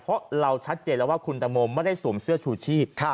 เพราะเราชัดเจนแล้วว่าคุณตังโมไม่ได้สวมเสื้อชูชีพ